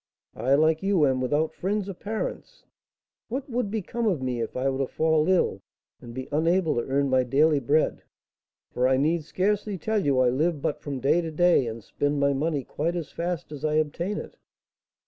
I, like you, am without friends or parents; what would become of me if I were to fall ill and be unable to earn my daily bread, for I need scarcely tell you I live but from day to day, and spend my money quite as fast as I obtain it?"